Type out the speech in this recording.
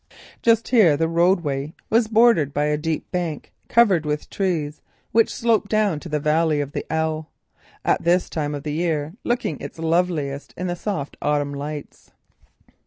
Just here the roadway was bordered by a deep bank covered with trees which sloped down to the valley of the Ell, at this time of the year looking its loveliest in the soft autumn lights.